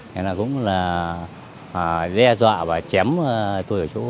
nên là cũng là đe dọa và chém tôi ở chỗ